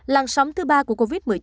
làn sóng thứ ba của covid một mươi chín